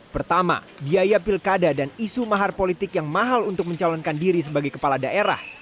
pertama biaya pilkada dan isu mahar politik yang mahal untuk mencalonkan diri sebagai kepala daerah